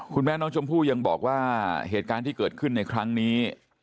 คุณแม่น้องชมพู่ยังบอกว่าเหตุการณ์ที่เกิดขึ้นในครั้งนี้